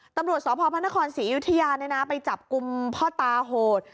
ตำรวจสพพระนครศรีอยุธยาไปจับกลุ่มพ่อตาโหด